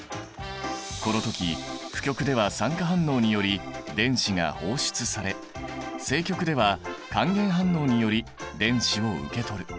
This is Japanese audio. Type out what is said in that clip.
この時負極では酸化反応により電子が放出され正極では還元反応により電子を受け取る。